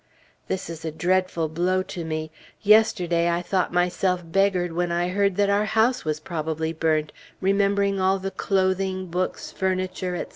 This is a dreadful blow to me. Yesterday, I thought myself beggared when I heard that our house was probably burnt, remembering all the clothing, books, furniture, etc.